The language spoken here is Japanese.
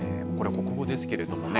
国語ですけどもね。